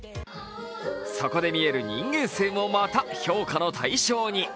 そこで見える人間性もまた評価の対象に。